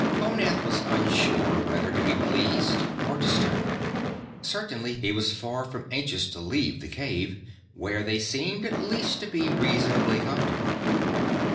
Honath was unsure whether to be pleased or disturbed. Certainly he was far from anxious to leave the cave, where they seemed at least to be reasonably comfortable.